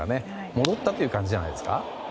戻ったという感じじゃないですか。